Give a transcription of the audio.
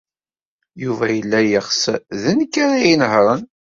Yuba yella yeɣs d nekk ara inehṛen.